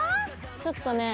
ちょっとね